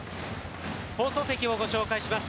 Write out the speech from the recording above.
放送席をご紹介します。